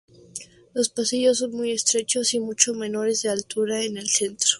Los pasillos son muy estrechos y mucho menores en altura que en el centro.